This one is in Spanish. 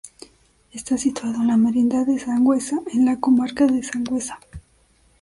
Está situado en la Merindad de Sangüesa, en la Comarca de Sangüesa.